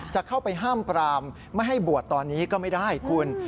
จะเข้าไปห้ามปรามไม่ให้บวชตอนนี้ก็ไม่ได้คุณ